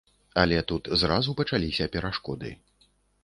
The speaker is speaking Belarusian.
Але тут зразу пачаліся перашкоды.